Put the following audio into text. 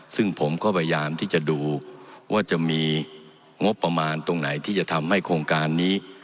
ซึ่งผมก็พยายามที่จะดูว่าจะมีงบประมาณตรงไหนที่จะทำให้โครงการนี้